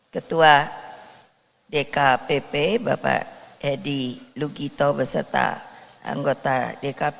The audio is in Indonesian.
ketua dkpp bapak hedi lugito beserta anggota dkpp